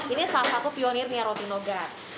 ini salah satu pionirnya roti nogar